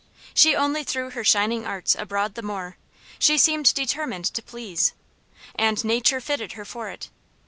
She only threw her shining arts abroad the more; she seemed determined to please. And Nature fitted her for it.